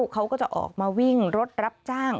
เขาก็จะออกมาวิ่งรถรับจ้าง